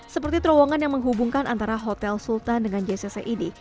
seperti terowongan yang menghubungkan antara hotel sultan dengan jcc ini